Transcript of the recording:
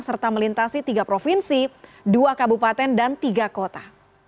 serta melintasi tiga provinsi dua kabupaten dan tiga kota